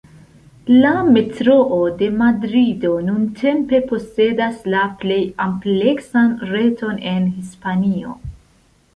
La Metroo de Madrido nuntempe posedas la plej ampleksan reton en Hispanio.